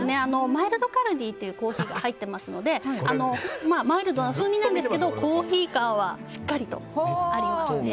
マイルドカルディというコーヒーが入ってますのでマイルドな風味なんですけどコーヒー感はしっかりとあります。